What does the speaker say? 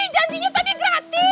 janjinya tadi gratis